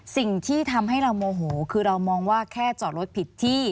สิ่งที่ทำให้เราโมโหคือเรามองว่าแค่จอดรถผิดที่